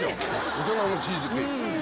大人のチーズケーキ。